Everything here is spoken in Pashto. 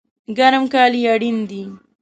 ګرم کالی اړین دي